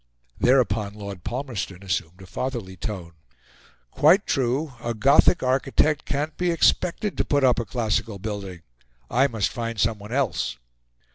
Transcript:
Thereupon Lord Palmerston assumed a fatherly tone. "Quite true; a Gothic architect can't be expected to put up a Classical building; I must find someone else."